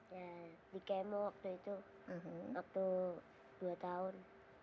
ya dikemo waktu itu waktu dua tahun